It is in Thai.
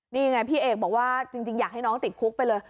นี่ไงพี่เอกบอกว่าจริงอยากให้น้องติดคุกไปเลย